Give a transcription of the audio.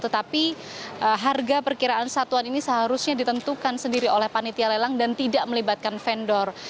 tetapi harga perkiraan satuan ini seharusnya ditentukan sendiri oleh panitia lelang dan tidak melibatkan vendor